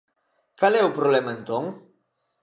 Cal é o problema entón?